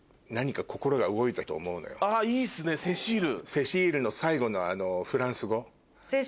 あぁいいっすねセシール。